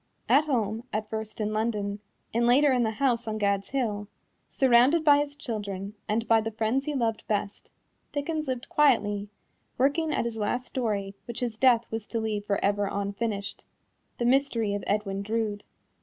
At home, at first in London, and later in the house on Gad's Hill, surrounded by his children and by the friends he loved best, Dickens lived quietly, working at his last story which his death was to leave for ever unfinished The Mystery of Edwin Drood.